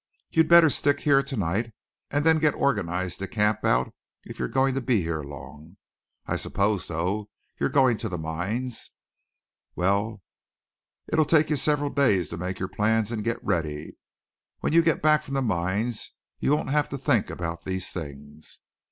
You'd better stick here to night and then get organized to camp out, if you're going to be here long. I suppose, though, you're going to the mines? Well, it'll take you several days to make your plans and get ready. When you get back from the mines you won't have to think about these things."